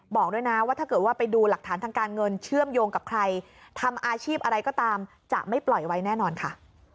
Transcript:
บอกด้วยนะว่าถ้าเกิดว่าไปดูหลักฐานทางการเงินเชื่อมโยงกับใครทำอาชีพอะไรก็ตามจะไม่ปล่อยไว้แน่นอนค่ะ